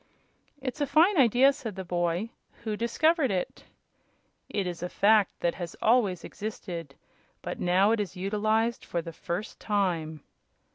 "It's a fine idea," said the boy; "who discovered it?" "It is a fact that has always existed, but is now utilized for the first time."